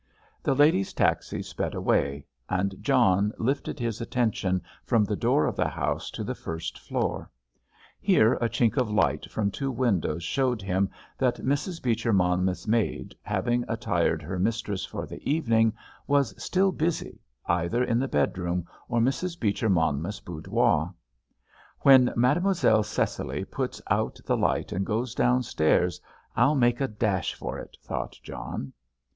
The lady's taxi sped away, and John lifted his attention from the door of the house to the first floor. Here a chink of light from two windows showed him that Mrs. Beecher Monmouth's maid, having attired her mistress for the evening, was still busy, either in the bedroom or Mrs. Beecher Monmouth's boudoir. "When Mademoiselle Cecily puts out the light and goes downstairs, I'll make a dash for it," thought John.